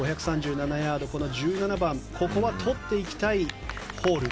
５３７ヤード１７番、ここはとっていきたいホール。